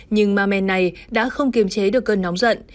nhưng ma men này đã không kiềm chế được cơn nóng giận